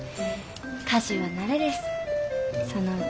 家事は慣れです。